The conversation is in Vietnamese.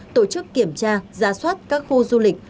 tổ chức kiểm tra ra soát các khu du lịch